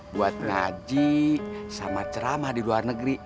buat ngaji sama ceramah di luar negeri